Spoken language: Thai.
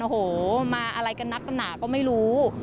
โอ้โหมาอะไรกันนักหนาก็ไม่รู้